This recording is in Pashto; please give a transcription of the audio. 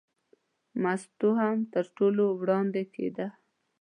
مستو هم تر ټولو وړاندې کېده.